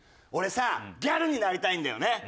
俺さギャルになりたいんだよね。